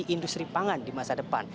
industri pangan di masa depan